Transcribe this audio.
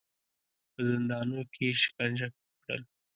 په زندانونو کې یې شکنجه کړل.